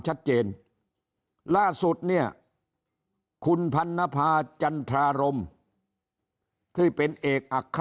ชัดเจนล่าสุดเนี่ยคุณพันนภาจันทรารมที่เป็นเอกอักข